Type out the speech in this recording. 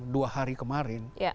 dua hari kemarin